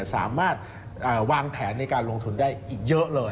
สามารถวางแผนในการลงทุนได้อีกเยอะเลย